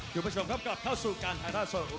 ยุคประชงครับกลับเข้าสู่การไทยท่าสด